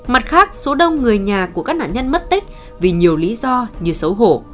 mặt khác số đông người nhà của các nạn nhân mất tích vì nhiều lý do như xấu hổ